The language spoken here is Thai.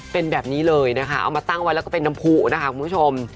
เป็นแบบนี้เลยนะคะเอามาตั้งไว้แล้วก็เป็นน้ำผู้นะคะคุณผู้ชม